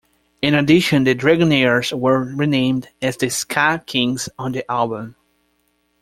In addition, the Dragonaires were renamed as "The Ska Kings" on the album.